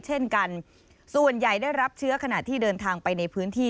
เช่นกันส่วนใหญ่ได้รับเชื้อขณะที่เดินทางไปในพื้นที่